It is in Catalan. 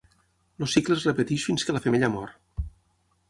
El cicle es repeteix fins que la femella mor.